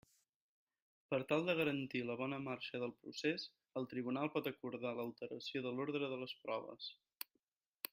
Per tal de garantir la bona marxa del procés, el Tribunal pot acordar l'alteració de l'ordre de les proves.